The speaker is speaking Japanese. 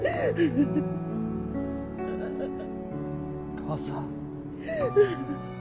母さん。